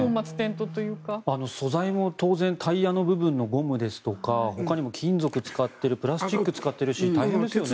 当然、素材もタイヤの部分のゴムですとかほかにも金属を使っているプラスチックを使っているし大変ですよね。